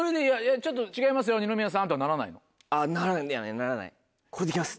「ちょっと違いますよ二宮さん」とはならないの？ならないならない。